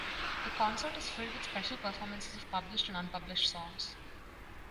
The concert is filled with special performances of published and unpublished songs.